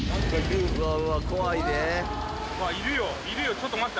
ちょっと待って。